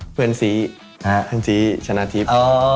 เพื่อนซีชนะทิพย์